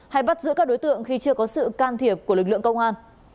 hay bắt giữ các đối tượng khi chưa có sự can thiệp của lực lượng công an